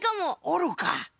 おるか。